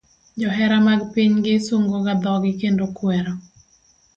Johera mag pinygi sungo ga dhogi kendo kwero